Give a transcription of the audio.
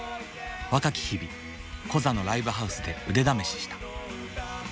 若き日々コザのライブハウスで腕試しした。